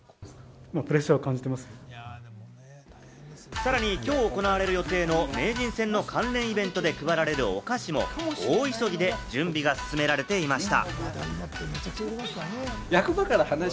さらにきょう行われる予定の名人戦の関連イベントで配られるお菓子も大急ぎで準備が進められていました。